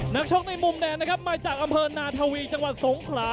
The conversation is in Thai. นักชกในมุมแดงนะครับมาจากอำเภอนาธวีจังหวัดสงขลา